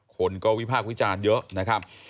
คนก็วิพากษ์วิจารณ์เยอะนะครับ